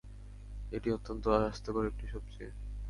এটি অত্যন্ত স্বাস্থ্যকর একটি সবজি।